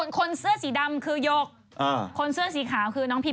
คนเซือดสีดำคือยกคนเซือดสีขาวคือน้องพี